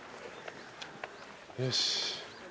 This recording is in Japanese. よし。